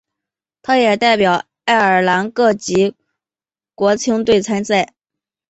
他也代表北爱尔兰各级国青队参赛。